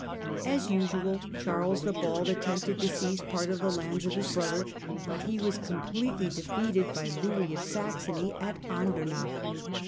As usual Charles the Bald attempted to seize part of the lands of his brother, but he was completely defeated by Louis of Saxony at Andernach.